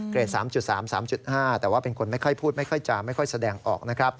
เกรด๓๓๓๕แต่ว่าเป็นคนไม่ค่อยพูดไม่ค่อยจ่าไม่ค่อยแสดงออก